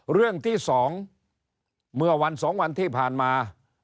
เรื่องที่๒เมื่อวัน๒วันที่ผ่านมา